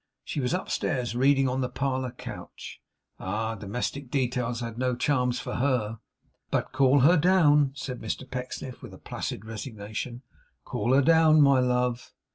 She was upstairs, reading on the parlour couch. Ah! Domestic details had no charms for HER. 'But call her down,' said Mr Pecksniff, with a placid resignation. 'Call her down, my love.